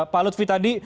pak lutfi tadi